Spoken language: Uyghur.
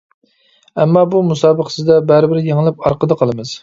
ئەمما بۇ مۇسابىقىسىدە بەرىبىر يېڭىلىپ ئارقىدا قالىمىز.